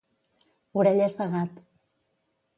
Orelles de gat.